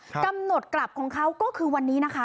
กำหนดกลับของเขาก็คือวันนี้นะคะ